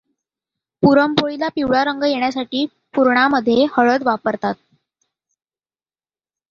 पुरण पोळीला पिवळा रंग येण्यासाठी पुराणामध्ये हळद वापरतात.